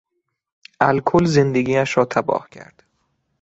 الکل زندگیش را تباه کرد.